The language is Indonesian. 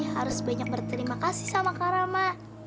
harus banyak berterima kasih sama kak rama